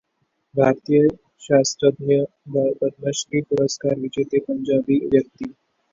भारतीय शास्त्रज्ञ, पद्मश्री पुरस्कारविजेते पंजाबी व्यक्ती